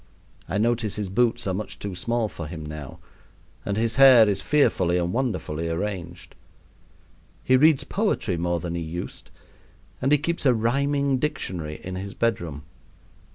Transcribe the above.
I notice his boots are much too small for him now, and his hair is fearfully and wonderfully arranged. He reads poetry more than he used, and he keeps a rhyming dictionary in his bedroom.